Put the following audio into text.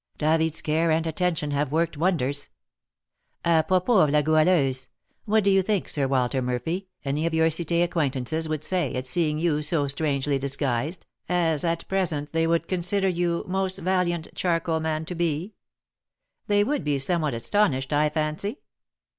David's care and attention have worked wonders. Apropos of La Goualeuse: what do you think, Sir Walter Murphy, any of your Cité acquaintances would say at seeing you so strangely disguised, as at present they would consider you, most valiant charcoal man, to be? They would be somewhat astonished, I fancy."